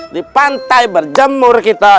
di pantai berjemur kita